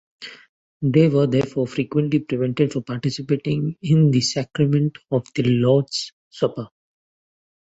They were therefore frequently prevented from participating in the sacrament of the Lord's Supper.